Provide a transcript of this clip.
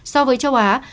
so với châu á